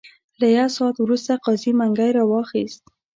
له یو ساعت وروسته قاضي منګی را واخیست.